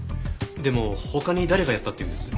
でも他に誰がやったっていうんです？